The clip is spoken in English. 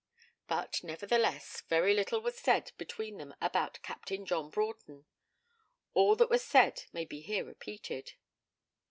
But, nevertheless, very little was said between them about Captain John Broughton. All that was said may be here repeated.